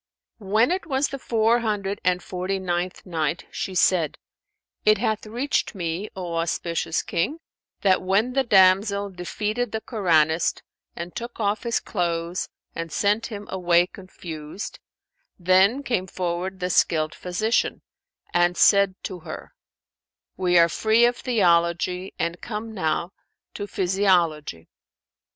When it was the Four Hundred and Forty ninth Night, She said, It hath reached me, O auspicious King, that when the damsel defeated the Koranist and took off his clothes and sent him away confused, then came forward the skilled physician and said to her, "We are free of theology and come now to physiology.